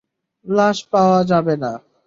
লাশ পাওয়া যাবে না।